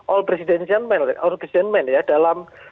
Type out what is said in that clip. all presidential man all president man ya dalam